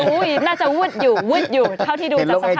หลุดน่าจะวุดอยู่วุดอยู่เท่าที่ดูต่อสภาพหน้าแล้ว